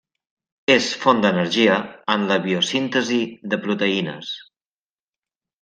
És font d’energia en la biosíntesi de proteïnes.